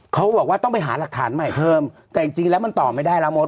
เขาบอกว่าต้องไปหาหลักฐานใหม่เพิ่มแต่จริงแล้วมันตอบไม่ได้แล้วมด